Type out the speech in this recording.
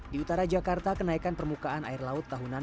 di utara jakarta kenaikan permukaan air laut tahunan